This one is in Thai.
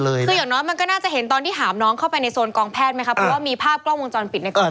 เพราะว่ามีภาพกล้องวงจรปิดในกองแพทย์